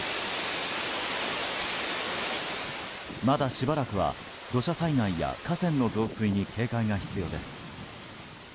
まだしばらくは土砂災害や河川の増水に警戒が必要です。